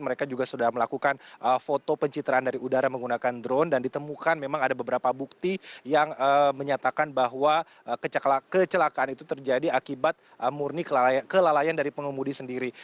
mereka juga sudah melakukan foto pencitraan dari udara menggunakan drone dan ditemukan memang ada beberapa bukti yang menyatakan bahwa kecelakaan itu terjadi akibat murni kelalaian dari pengemudi sendiri